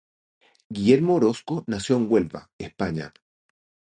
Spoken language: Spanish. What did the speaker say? Guillermo Orozco nació en Huelva, España.